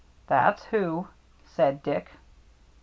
"" That's who," said Dick.